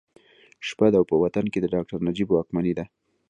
شپه ده او په وطن کې د ډاکټر نجیب واکمني ده